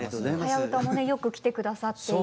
「はやウタ」もねよく来て下さっていて。